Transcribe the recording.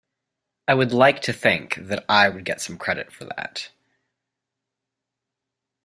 I would like to think that I would get some credit for that.